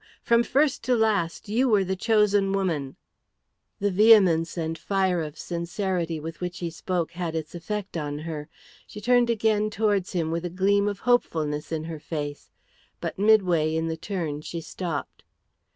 From first to last you were the chosen woman." The vehemence and fire of sincerity with which he spoke had its effect on her. She turned again towards him with a gleam of hopefulness in her face, but midway in the turn she stopped.